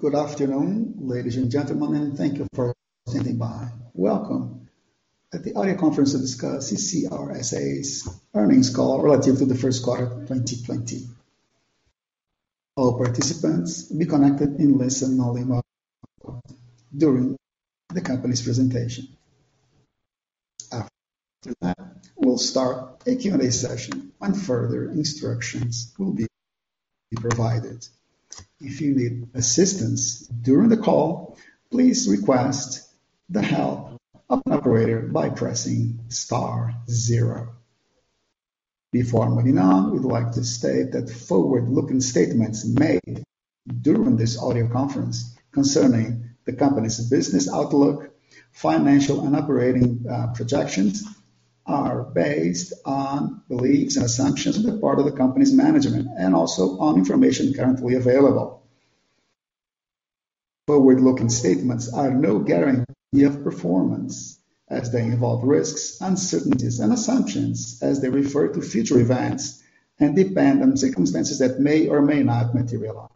Good afternoon, ladies and gentlemen, and thank you for standing by. Welcome at the audio conference discuss CCR S.A.'s earnings call relative to the first quarter of 2020. All participants will be connected in listen-only mode during the company's presentation. After that, we'll start the Q&A session, and further instructions will be provided. If you need assistance during the call, please request the help of an operator by pressing star zero. Before moving on, we'd like to state that forward-looking statements made during this audio conference concerning the company's business outlook, financial and operating projections are based on beliefs and assumptions on the part of the company's management and also on information currently available. Forward-looking statements are no guarantee of performance as they involve risks, uncertainties and assumptions as they refer to future events and depend on circumstances that may or may not materialize.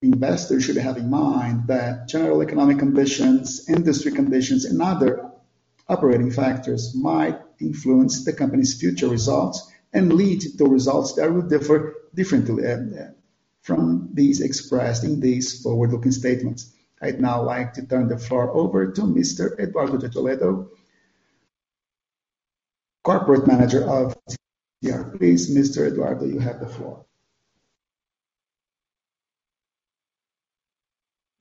Investors should have in mind that general economic conditions, industry conditions, and other operating factors might influence the company's future results and lead to results that will differ differently from these expressed in these forward-looking statements. I'd now like to turn the floor over to Mr. Eduardo de Toledo, Corporate Manager of CCR S.A. Please, Mr. Eduardo, you have the floor.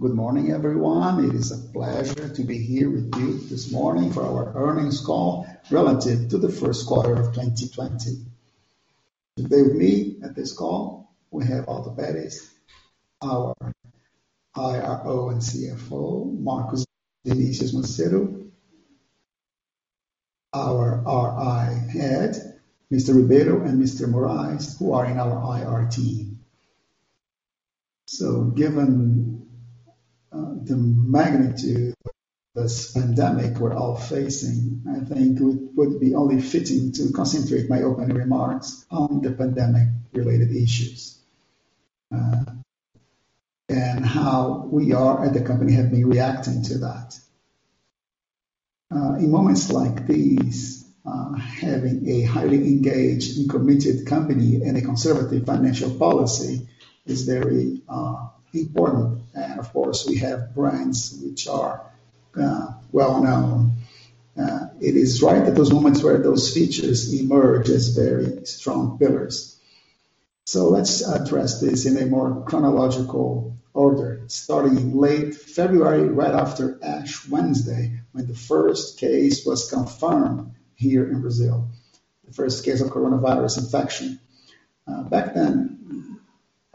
Good morning, everyone. It is a pleasure to be here with you this morning for our earnings call relative to the first quarter of 2020. Today with me at this call, we have Waldo Perez, our IRO and CFO, Marcos Dionísio Macedo, our IR head, Mr. Ribeiro, and Mr. Moraes, who are in our IR team. Given the magnitude of this pandemic we're all facing, I think it would be only fitting to concentrate my opening remarks on the pandemic-related issues, and how we are at the company have been reacting to that. In moments like these, having a highly engaged and committed company and a conservative financial policy is very important. Of course, we have brands which are well-known. It is right at those moments where those features emerge as very strong pillars. Let's address this in a more chronological order, starting in late February, right after Ash Wednesday, when the first case was confirmed here in Brazil, the first case of coronavirus infection. Back then,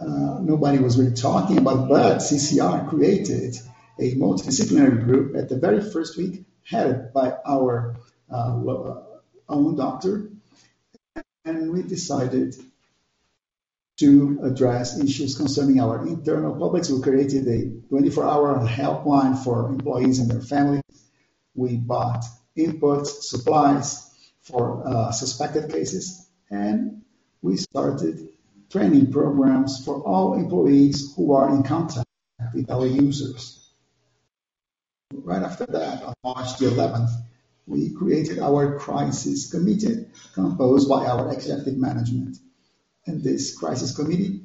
nobody was really talking about that. CCR created a multidisciplinary group at the very first week, headed by our own doctor. We decided to address issues concerning our internal publics. We created a 24-hour helpline for employees and their families. We bought inputs, supplies for suspected cases. We started training programs for all employees who are in contact with our users. Right after that, on March the 11th, we created our crisis committee composed by our executive management. This crisis committee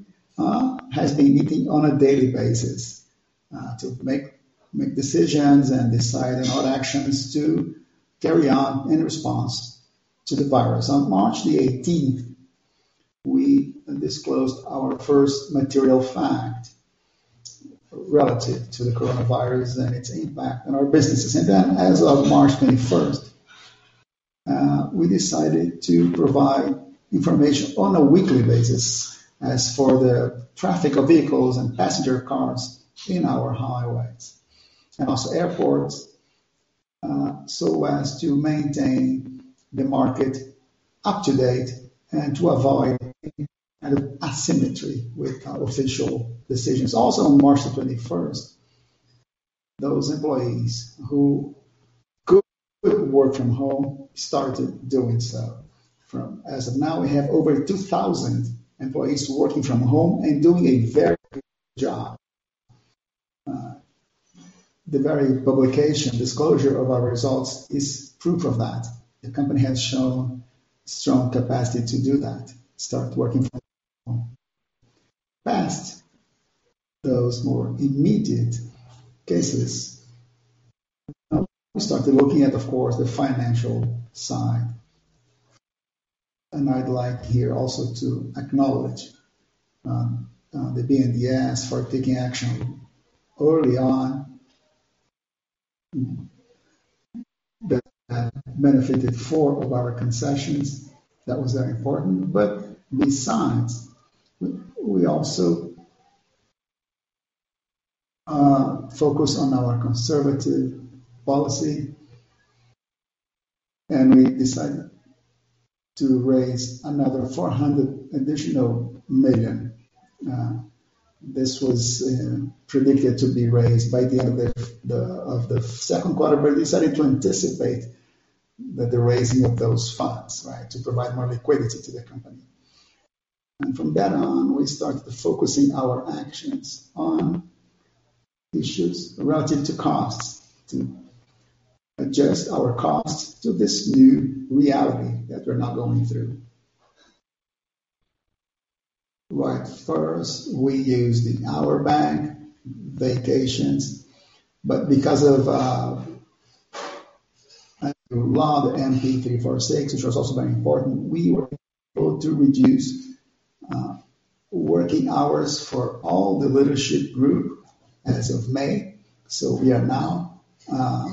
has been meeting on a daily basis to make decisions and decide on what actions to carry on in response to the virus. On March the 18th, we disclosed our first material fact relative to the coronavirus and its impact on our businesses. As of March 21st, we decided to provide information on a weekly basis as for the traffic of vehicles and passenger cars in our highways and also airports, so as to maintain the market up to date and to avoid any asymmetry with our official decisions. Also on March the 21st, those employees who could work from home started doing so. As of now, we have over 2,000 employees working from home and doing a very good job. The very publication disclosure of our results is proof of that. The company has shown strong capacity to do that, start working from home. Past those more immediate cases, we started looking at, of course, the financial side. I'd like here also to acknowledge the BNDES for taking action early on that benefited four of our concessions. That was very important. Besides, we also focus on our conservative policy, we decided to raise another 400 million. This was predicted to be raised by the end of the second quarter, we decided to anticipate the raising of those funds to provide more liquidity to the company. From then on, we started focusing our actions on issues related to costs, to adjust our costs to this new reality that we're now going through. First, we used the hour bank, vacations, because of the law, the MP 936, which was also very important, we were able to reduce working hours for all the leadership group as of May. We are now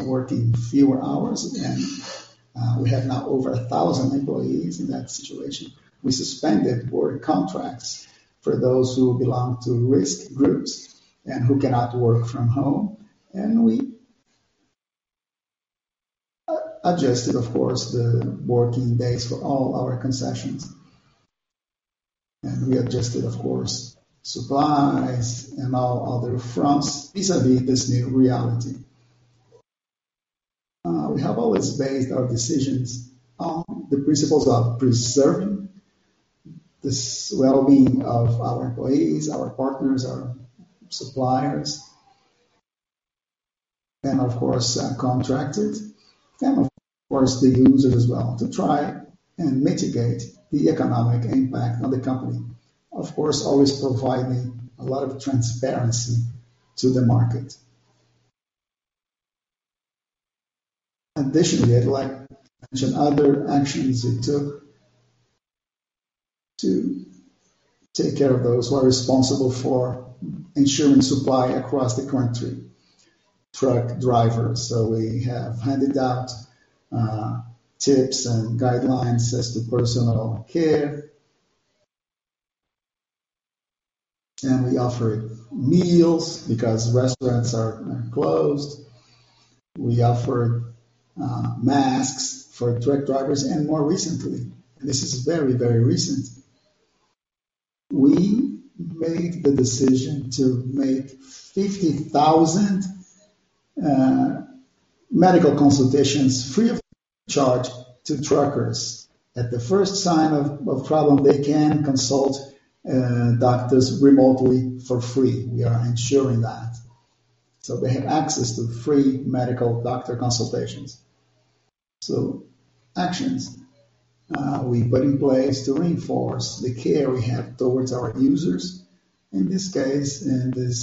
working fewer hours, and we have now over 1,000 employees in that situation. We suspended work contracts for those who belong to risk groups and who cannot work from home, we adjusted, of course, the working days for all our concessions. We adjusted, of course, supplies and all other fronts vis-à-vis this new reality. We have always based our decisions on the principles of preserving the wellbeing of our employees, our partners, our suppliers, and of course, our contracted, and of course the users as well, to try and mitigate the economic impact on the company. Of course, always providing a lot of transparency to the market. Additionally, I'd like to mention other actions we took to take care of those who are responsible for ensuring supply across the country, truck drivers. We have handed out tips and guidelines as to personal care, and we offer meals because restaurants are now closed. We offer masks for truck drivers. More recently, this is very recent, we made the decision to make 50,000 medical consultations free of charge to truckers. At the first sign of a problem, they can consult doctors remotely for free. We are ensuring that. They have access to free medical doctor consultations. Actions we put in place to reinforce the care we have towards our users. In this case, the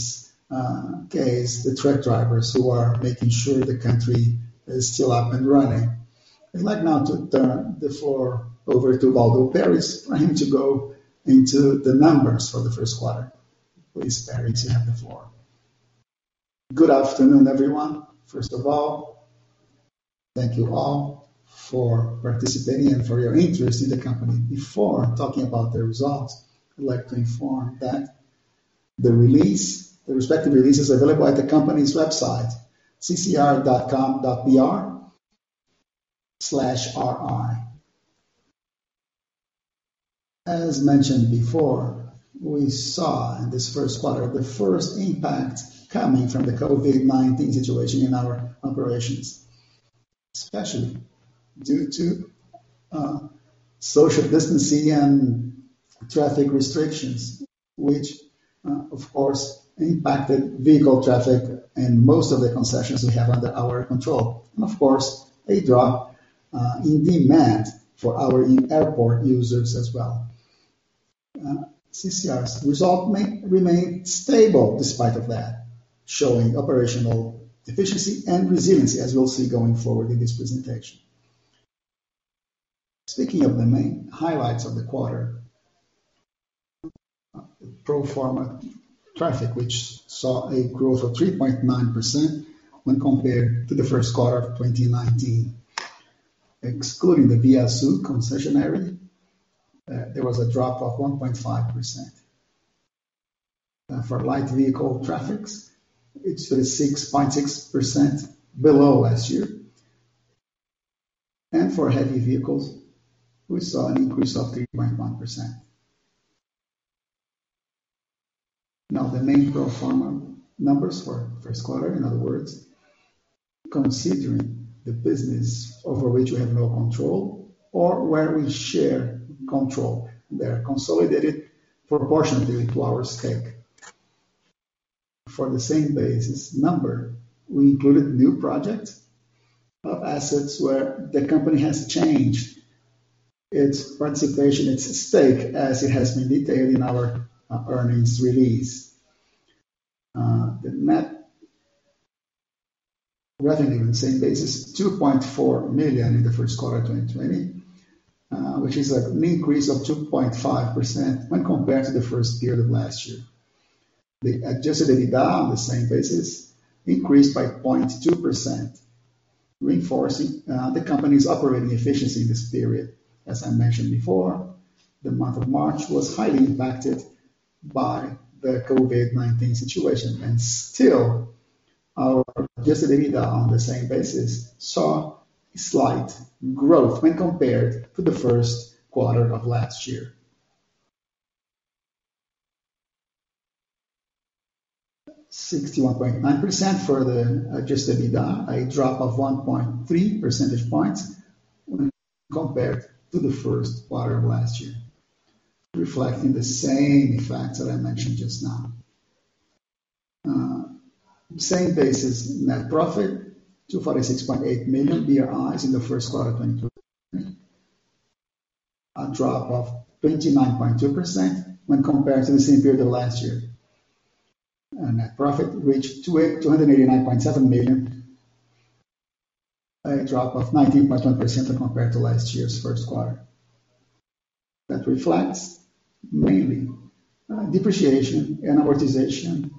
truck drivers who are making sure the country is still up and running. I'd like now to turn the floor over to Waldo Perez for him to go into the numbers for the first quarter. Please, Perez, you have the floor. Good afternoon, everyone. First of all, thank you all for participating and for your interest in the company. Before talking about the results, I'd like to inform that the respective release is available at the company's website, ccr.com.br/ir. As mentioned before, we saw in this first quarter the first impact coming from the COVID-19 situation in our operations, especially due to social distancing and traffic restrictions, which of course impacted vehicle traffic and most of the concessions we have under our control, and of course, a drop in demand for our in-airport users as well. CCR's result remained stable despite of that, showing operational efficiency and resiliency, as we'll see going forward in this presentation. Speaking of the main highlights of the quarter, pro forma traffic, which saw a growth of 3.9% when compared to the first quarter of 2019. Excluding the ViaSul concessionary, there was a drop of 1.5%. For light vehicle traffics, it is 6.6% below last year. For heavy vehicles, we saw an increase of 3.9%. The main pro forma numbers for first quarter, in other words, considering the business over which we have no control or where we share control, they're consolidated proportionately to our stake. For the same basis number, we included new projects of assets where the company has changed its participation, its stake, as it has been detailed in our earnings release. The net revenue on the same basis, 2.4 billion in the first quarter of 2020, which is an increase of 2.5% when compared to the first period of last year. The adjusted EBITDA on the same basis increased by 0.2%, reinforcing the company's operating efficiency in this period. As I mentioned before, the month of March was highly impacted by the COVID-19 situation, still our adjusted EBITDA on the same basis saw a slight growth when compared to the first quarter of last year. 61.9% for the adjusted EBITDA, a drop of 1.3 percentage points when compared to the first quarter of last year, reflecting the same effects that I mentioned just now. Same basis net profit, 246.8 million in the first quarter of 2020, a drop of 29.2% when compared to the same period last year. Net profit reached 289.7 million, a drop of 19.1% compared to last year's first quarter. That reflects mainly depreciation and amortization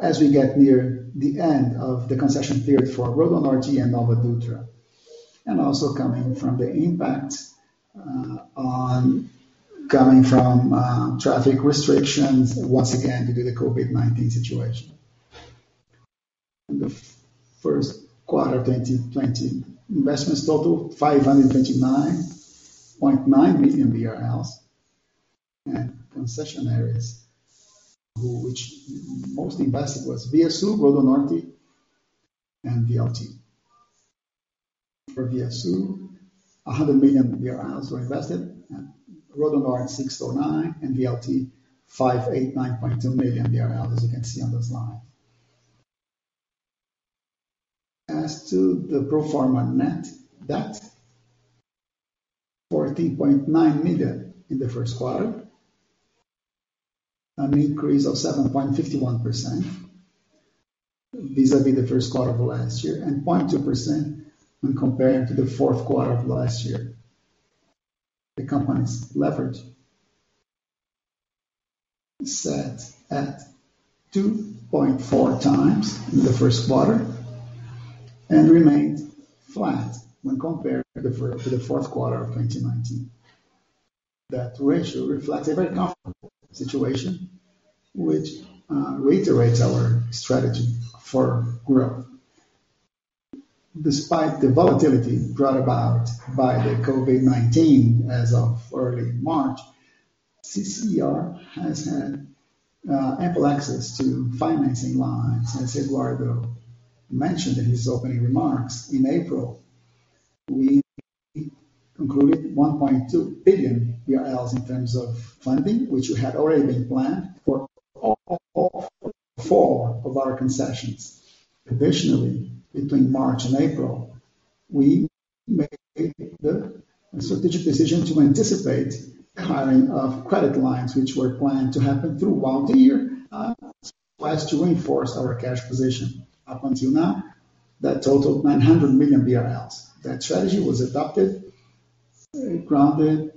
as we get near the end of the concession period for RodoNorte and NovaDutra, and also coming from the impact coming from traffic restrictions, once again, due to the COVID-19 situation. In the first quarter 2020, investments total BRL 529.9 million. Concession areas which most invested was VSU, RodoNorte, and VLT. For VSU, 100 million were invested, and RodoNorte 609 million, and VLT 589.2 million, as you can see on the slide. As to the pro forma net debt, 14.9 billion in the first quarter, an increase of 7.51% vis-à-vis the first quarter of last year, and 0.2% when comparing to the fourth quarter of last year. The company's leverage sat at 2.4 times in the first quarter and remained flat when compared to the fourth quarter of 2019. That ratio reflects a very comfortable situation, which reiterates our strategy for growth. Despite the volatility brought about by the COVID-19 as of early March, CCR has had ample access to financing lines. As Eduardo mentioned in his opening remarks, in April, we concluded 1.2 billion BRL in terms of funding, which had already been planned for all four of our concessions. Between March and April, we made the strategic decision to anticipate hiring of credit lines, which were planned to happen through the year, so as to reinforce our cash position. Up until now, that totaled 900 million BRL. That strategy was adopted, grounded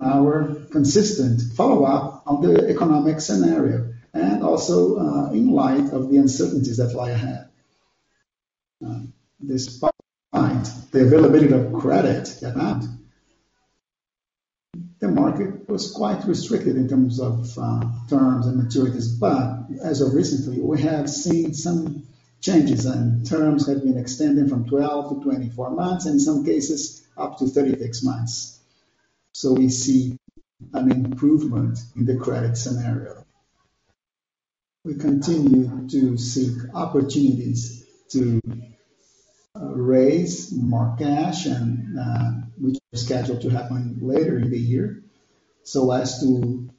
our consistent follow-up of the economic scenario, and also in light of the uncertainties that lie ahead. Despite the availability of credit at hand, the market was quite restricted in terms of terms and maturities. As of recently, we have seen some changes, terms have been extended from 12 to 24 months, in some cases up to 36 months. We see an improvement in the credit scenario. We continue to seek opportunities to raise more cash, which are scheduled to happen later in the year, so as to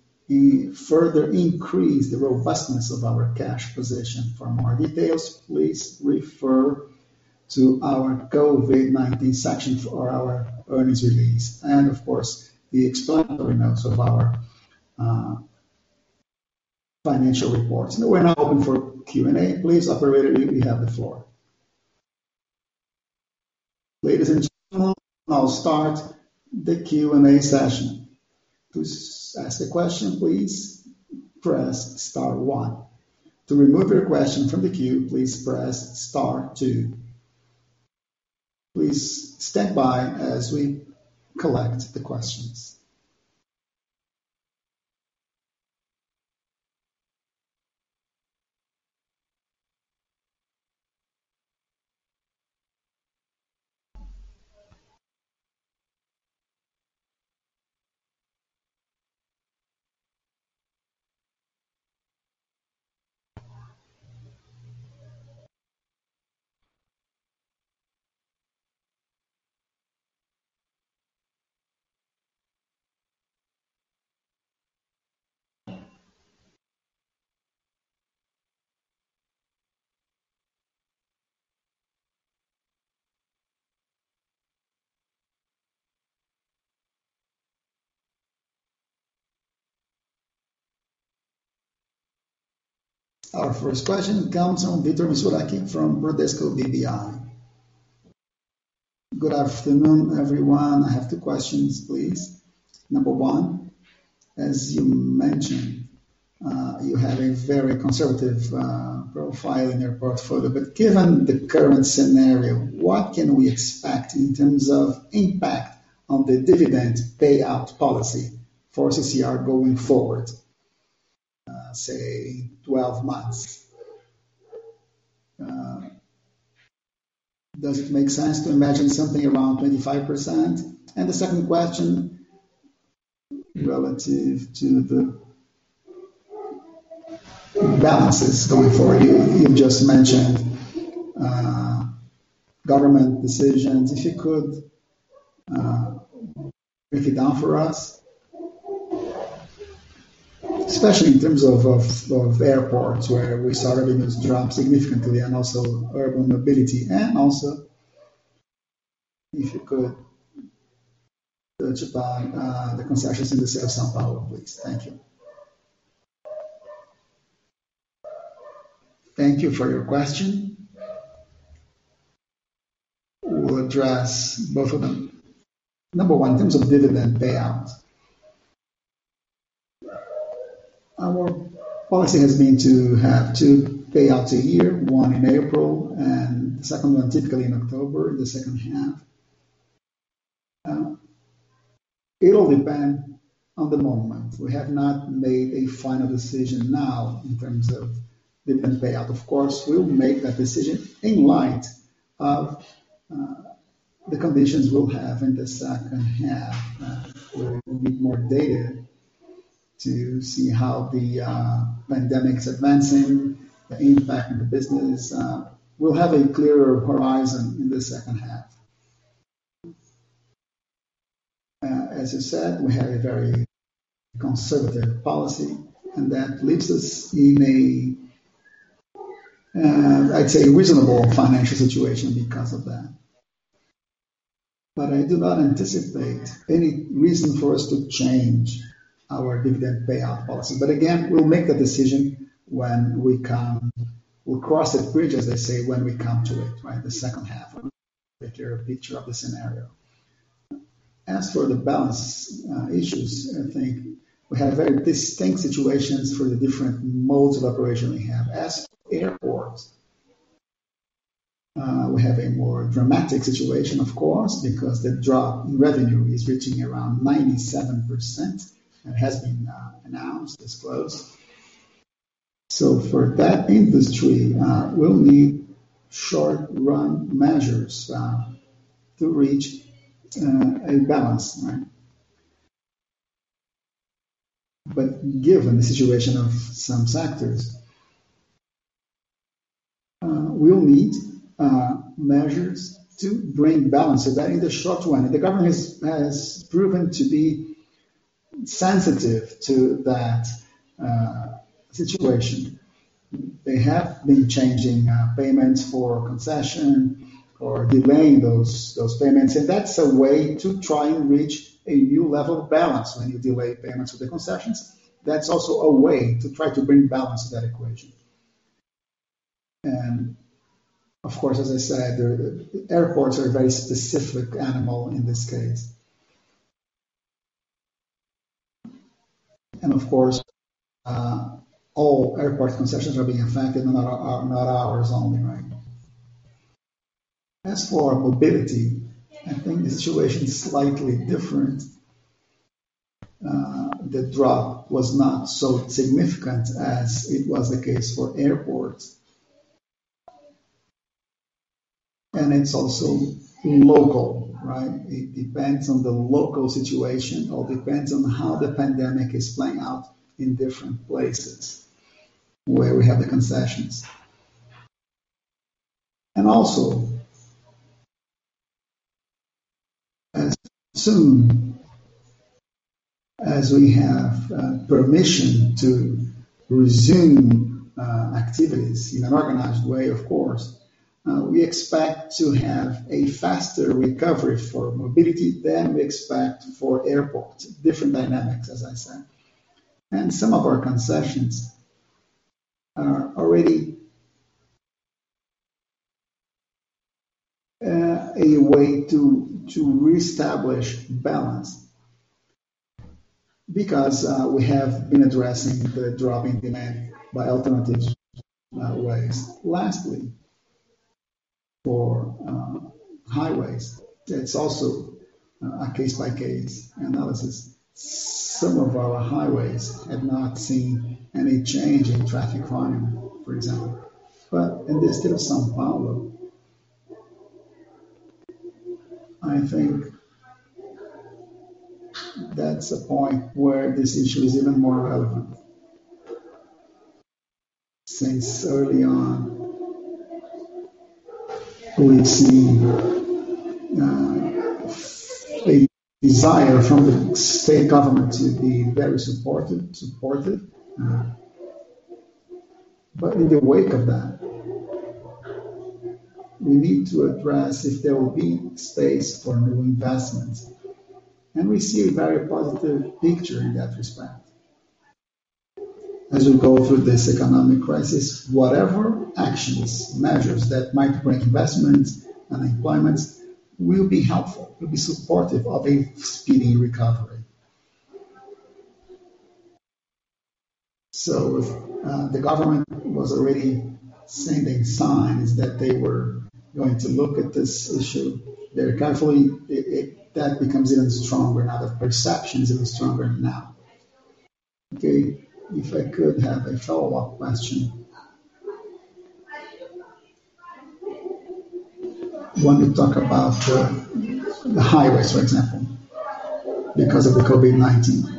further increase the robustness of our cash position. For more details, please refer to our COVID-19 section for our earnings release, of course, the explanatory notes of our financial reports. We're now open for Q&A. Please, operator, you may have the floor. Ladies and gentlemen, I'll start the Q&A session. To ask a question, please press star one. To remove your question from the queue, please press star two. Please stand by as we collect the questions. Our first question comes from Victor Mizusaki from Bradesco BBI. Good afternoon, everyone. I have two questions, please. Number one, as you mentioned, you have a very conservative profile in your portfolio. Given the current scenario, what can we expect in terms of impact on the dividend payout policy for CCR going forward, say, 12 months? Does it make sense to imagine something around 25%? The second question, relative to the balances going forward. You just mentioned government decisions. If you could break it down for us, especially in terms of airports where we saw revenues drop significantly, and also urban mobility, and also if you could touch upon the concessions in the state of São Paulo, please. Thank you. Thank you for your question. We'll address both of them. Number one, in terms of dividend payout. Our policy has been to have two payouts a year, one in April and the second one typically in October, in the second half. It'll depend on the moment. We have not made a final decision now in terms of dividend payout. Of course, we'll make that decision in light of the conditions we'll have in the second half. We will need more data to see how the pandemic's advancing, the impact on the business. We'll have a clearer horizon in the second half. As I said, we have a very conservative policy, and that leaves us in a, I'd say, reasonable financial situation because of that. I do not anticipate any reason for us to change our dividend payout policy. Again, we'll make a decision when we cross that bridge, as they say, when we come to it, the second half, when we have a clearer picture of the scenario. As for the balance issues, I think we have very distinct situations for the different modes of operation we have. For airports, we have a more dramatic situation, of course, because the drop in revenue is reaching around 97%, and has been announced, disclosed. For that industry, we'll need short-run measures to reach a balance. Given the situation of some sectors, we'll need measures to bring balance to that in the short run. The government has proven to be sensitive to that situation. They have been changing payments for concession or delaying those payments, that's a way to try and reach a new level of balance when you delay payments of the concessions. That's also a way to try to bring balance to that equation. Of course, as I said, airports are a very specific animal in this case. Of course, all airport concessions are being affected, not ours only. For mobility, I think the situation is slightly different. The drop was not so significant as it was the case for airports. It's also local. It depends on the local situation. All depends on how the pandemic is playing out in different places where we have the concessions. As soon as we have permission to resume activities in an organized way, of course, we expect to have a faster recovery for mobility than we expect for airports. Different dynamics, as I said. Some of our concessions are already a way to reestablish balance because we have been addressing the drop in demand by alternative ways. Lastly, for highways, it's also a case-by-case analysis. Some of our highways had not seen any change in traffic volume, for example. In the state of São Paulo, I think that's a point where this issue is even more relevant. Since early on, we've seen a desire from the state government to be very supportive. In the wake of that, we need to address if there will be space for new investments. We see a very positive picture in that respect. As we go through this economic crisis, whatever actions, measures that might bring investments, employment will be helpful, will be supportive of a speedy recovery. The government was already sending signs that they were going to look at this issue very carefully. That becomes even stronger now. The perception is even stronger now. Okay, if I could have a follow-up question. When you talk about the highways, for example, because of the COVID-19,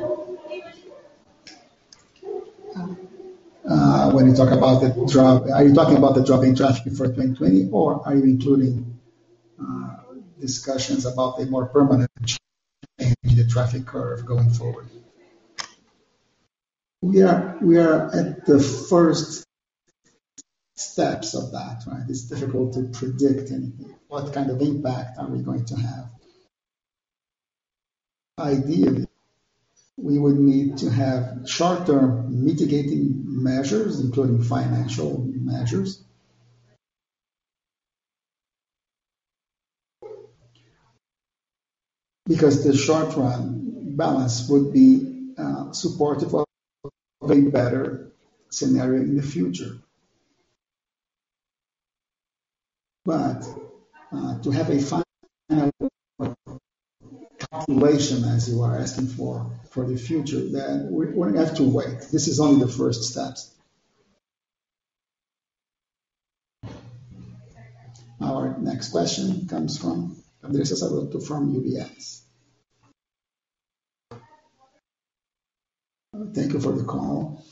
are you talking about the drop in traffic for 2020, or are you including discussions about a more permanent change in the traffic curve going forward? We are at the first steps of that, right? It's difficult to predict what kind of impact are we going to have. Ideally, we would need to have short-term mitigating measures, including financial measures. The short-run balance would be supportive of a better scenario in the future. To have a final calculation, as you are asking for the future, we have to wait. This is only the first steps. Our next question comes from Larissa Salgado from UBS. Thank you for the call.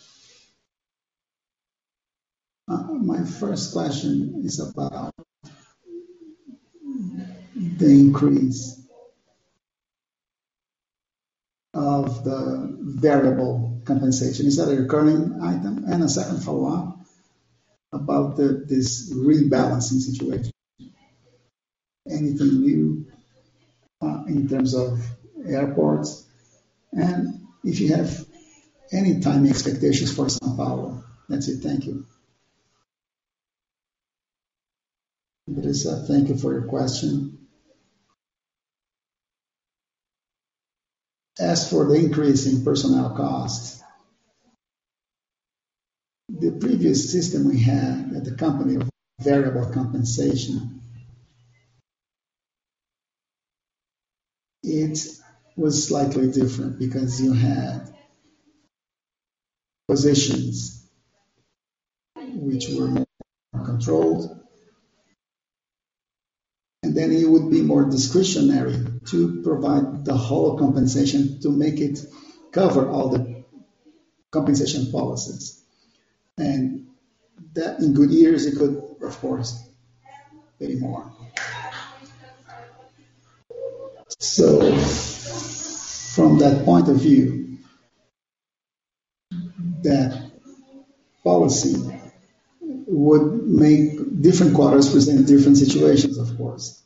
My first question is about the increase of the variable compensation. Is that a recurring item? A second follow-up about this rebalancing situation. Anything new in terms of airports, if you have any timing expectations for São Paulo? That's it. Thank you. Larissa, thank you for your question. As for the increase in personnel costs, the previous system we had at the company of variable compensation, it was slightly different because you had positions which were more controlled, and then it would be more discretionary to provide the whole compensation to make it cover all the compensation policies. That in good years, it could, of course, pay more. From that point of view, that policy would make different quarters present different situations, of course.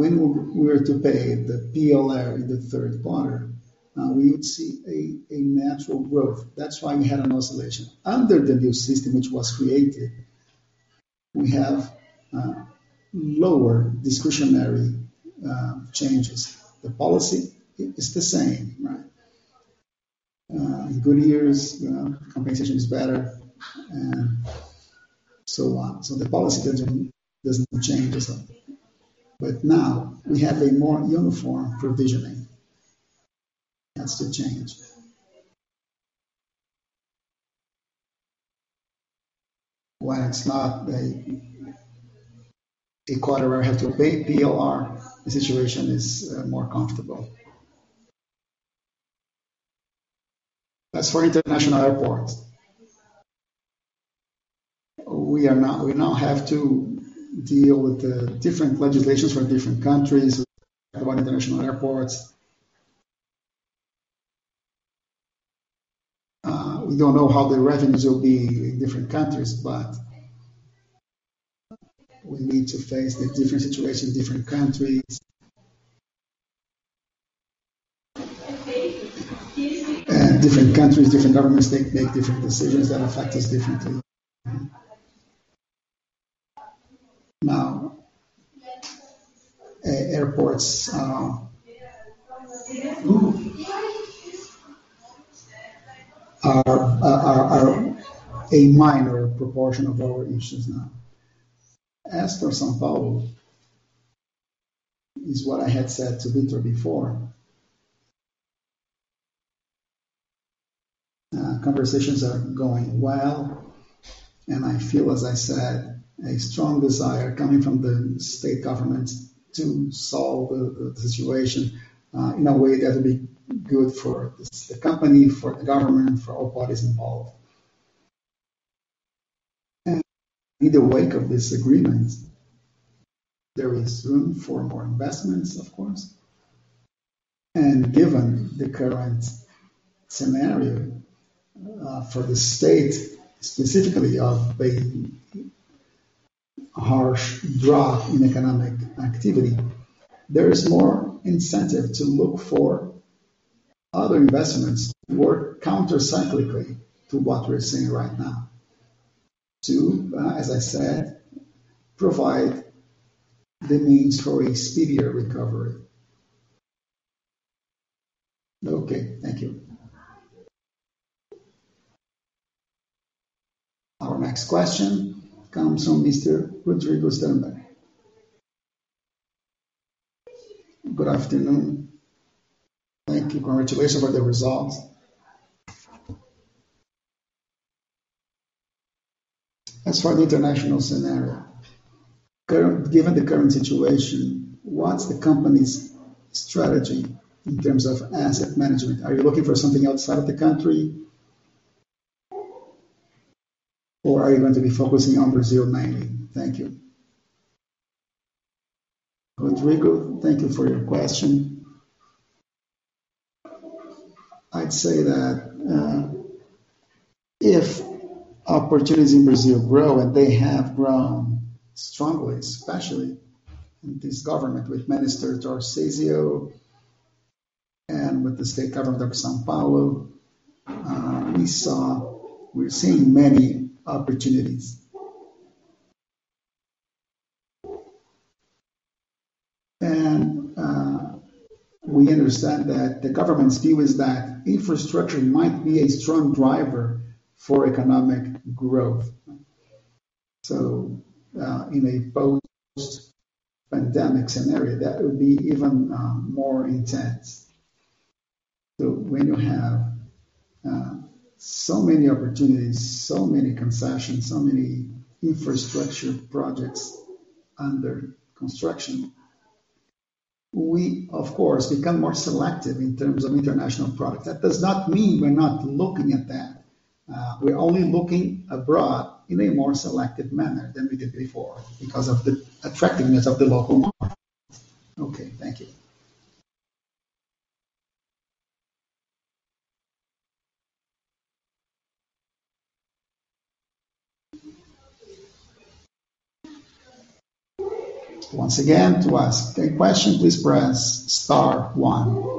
When we were to pay the PLR in the third quarter, we would see a natural growth. That's why we had an oscillation. Under the new system which was created, we have lower discretionary changes. The policy is the same, right? In good years, compensation is better and so on. The policy doesn't change at all. Now we have a more uniform provisioning. That's the change. When it's not a quarter we have to pay PLR, the situation is more comfortable. As for international airports, we now have to deal with the different legislations for different countries about international airports. We don't know how the revenues will be in different countries, but we need to face the different situation in different countries. Different countries, different governments, they make different decisions that affect us differently. Now, airports are a minor proportion of our issues now. As for São Paulo, is what I had said to Victor before. Conversations are going well, I feel, as I said, a strong desire coming from the state government to solve the situation in a way that will be good for the company, for the government, for all parties involved. In the wake of this agreement, there is room for more investments, of course. Given the current scenario for the state, specifically of a harsh drop in economic activity, there is more incentive to look for other investments to work countercyclically to what we're seeing right now to, as I said, provide the means for a speedier recovery. Okay. Thank you. Next question comes from Mr. Rodrigo Sternberg. Good afternoon. Thank you. Congratulations on the results. As for the international scenario, given the current situation, what's the company's strategy in terms of asset management? Are you looking for something outside of the country, or are you going to be focusing on Brazil mainly? Thank you. Rodrigo, thank you for your question. I'd say that if opportunities in Brazil grow, and they have grown strongly, especially in this government with Minister Tarcísio and with the state governor of São Paulo, we're seeing many opportunities. We understand that the government's view is that infrastructure might be a strong driver for economic growth. In a post-pandemic scenario, that would be even more intense. When you have so many opportunities, so many concessions, so many infrastructure projects under construction, we of course, become more selective in terms of international products. That does not mean we're not looking at that. We're only looking abroad in a more selective manner than we did before because of the attractiveness of the local market. Okay. Thank you. Once again, to ask a question, please press star one.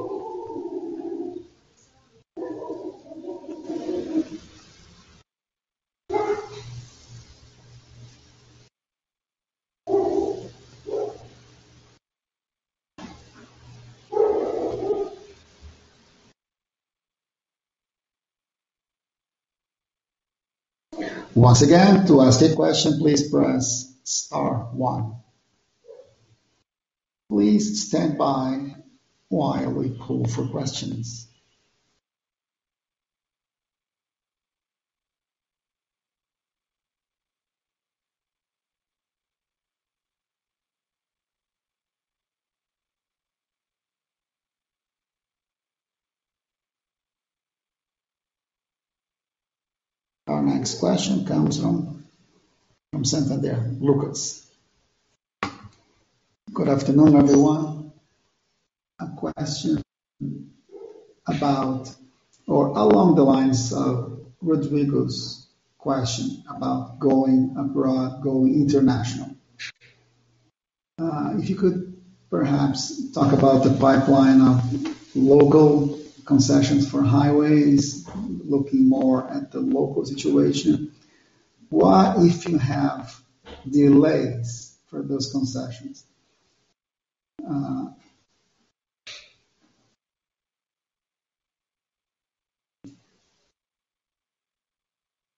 Once again, to ask a question, please press star one. Please stand by while we call for questions. Our next question comes from Santander, Lucas. Good afternoon, everyone. A question along the lines of Rodrigo's question about going abroad, going international. If you could perhaps talk about the pipeline of local concessions for highways, looking more at the local situation. What if you have delays for those concessions?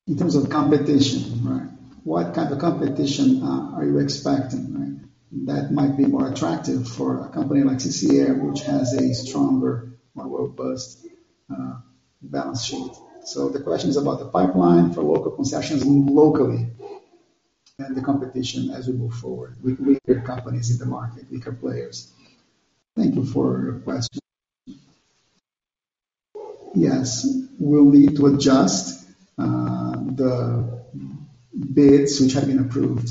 In terms of competition. What kind of competition are you expecting? That might be more attractive for a company like CCR, which has a stronger, more robust balance sheet. The question is about the pipeline for local concessions locally and the competition as we move forward with bigger companies in the market, bigger players. Thank you for your question. Yes, we'll need to adjust the bids which have been approved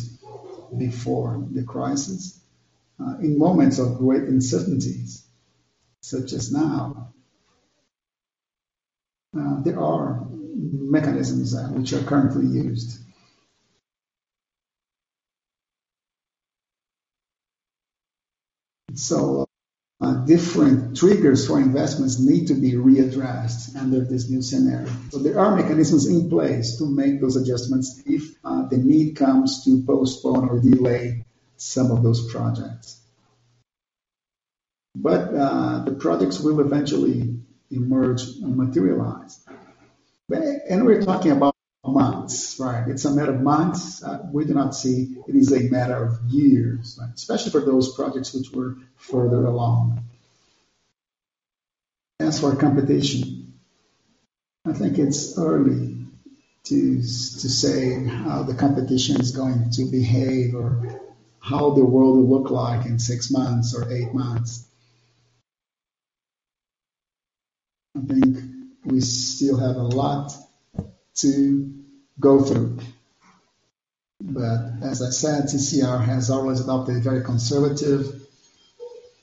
before the crisis. In moments of great uncertainties, such as now, there are mechanisms which are currently used. Different triggers for investments need to be readdressed under this new scenario. There are mechanisms in place to make those adjustments if the need comes to postpone or delay some of those projects. The projects will eventually emerge and materialize. We're talking about months. It's a matter of months. We do not see it is a matter of years, especially for those projects which were further along. As for competition, I think it's early to say how the competition is going to behave or how the world will look like in six months or eight months. I think we still have a lot to go through. As I said, CCR has always adopted very conservative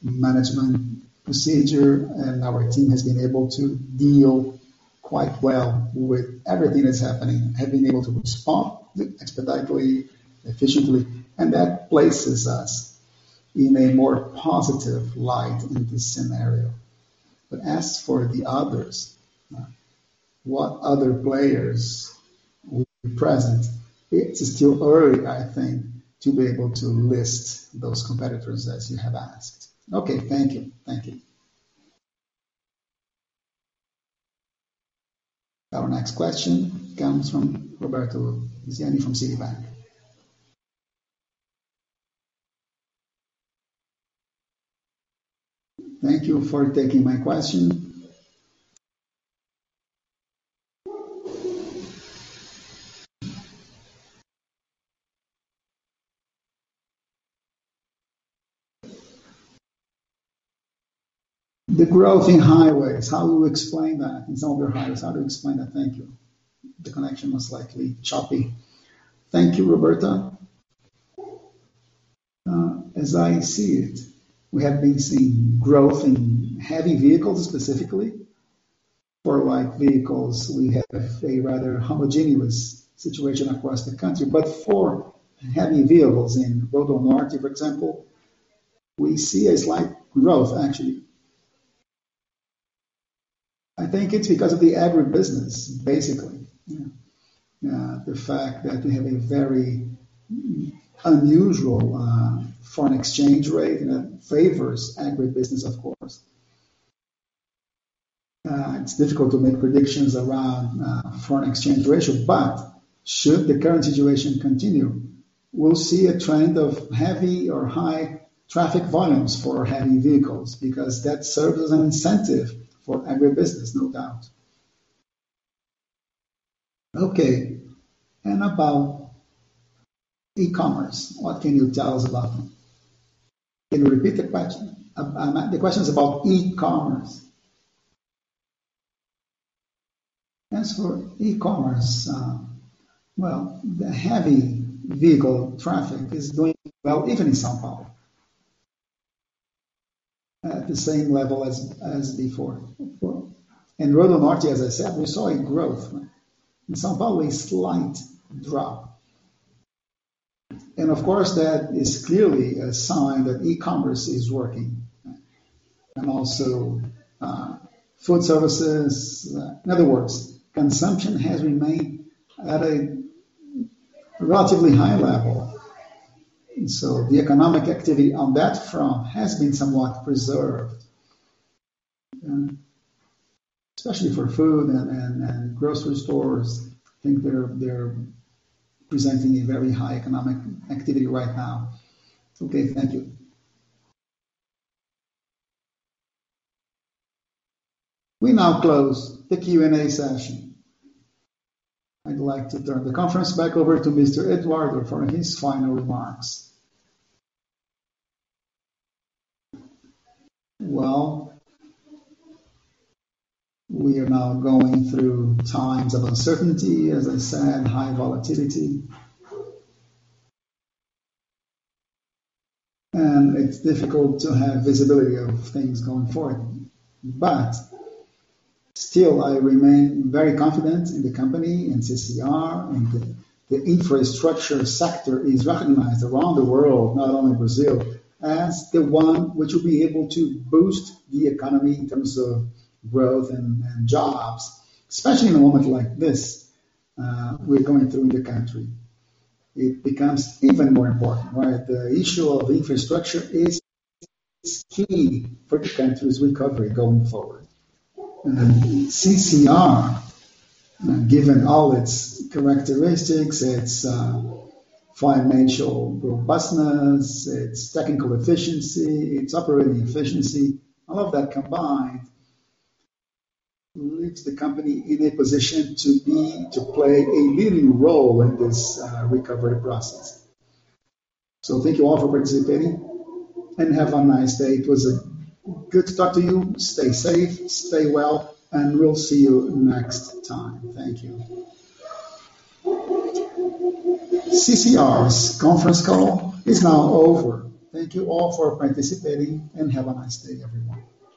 management procedure, and our team has been able to deal quite well with everything that's happening, have been able to respond expeditiously, efficiently, and that places us in a more positive light in this scenario. As for the others, what other players will be present, it's still early, I think, to be able to list those competitors as you have asked. Okay, thank you. Our next question comes from Roberto Bisiani from Citibank. Thank you for taking my question. The growth in highways, how do you explain that in some of your highways? How do you explain that? Thank you. The connection was slightly choppy. Thank you, Roberto. As I see it, we have been seeing growth in heavy vehicles specifically. For light vehicles, we have a rather homogeneous situation across the country. For heavy vehicles in RodoNorte, for example, we see a slight growth actually. I think it's because of the agribusiness, basically. The fact that we have a very unusual foreign exchange rate that favors agribusiness, of course. It's difficult to make predictions around foreign exchange ratio. Should the current situation continue, we'll see a trend of heavy or high traffic volumes for heavy vehicles, because that serves as an incentive for agribusiness, no doubt. Okay. About e-commerce, what can you tell us about it? Can you repeat the question? The question is about e-commerce. As for e-commerce, well, the heavy vehicle traffic is doing well even in São Paulo, at the same level as before. In RodoNorte, as I said, we saw a growth. In São Paulo, a slight drop. Of course, that is clearly a sign that e-commerce is working, and also food services. In other words, consumption has remained at a relatively high level. The economic activity on that front has been somewhat preserved, especially for food and grocery stores. I think they're presenting a very high economic activity right now. Okay. Thank you. We now close the Q&A session. I'd like to turn the conference back over to Mr. Eduardo for his final remarks. Well, we are now going through times of uncertainty, as I said, high volatility. It's difficult to have visibility of things going forward. Still, I remain very confident in the company, in CCR, and the infrastructure sector is recognized around the world, not only Brazil, as the one which will be able to boost the economy in terms of growth and jobs, especially in a moment like this we're going through in the country. It becomes even more important, right? The issue of infrastructure is key for the country's recovery going forward. CCR, given all its characteristics, its financial robustness, its technical efficiency, its operating efficiency, all of that combined leaves the company in a position to play a leading role in this recovery process. Thank you all for participating, and have a nice day. It was good to talk to you. Stay safe, stay well, and we'll see you next time. Thank you. CCR's conference call is now over. Thank you all for participating, and have a nice day, everyone.